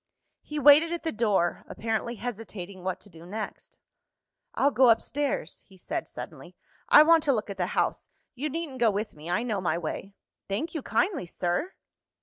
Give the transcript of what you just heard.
He waited at the door, apparently hesitating what to do next. "I'll go upstairs," he said suddenly; "I want to look at the house. You needn't go with me; I know my way." "Thank you kindly, sir!"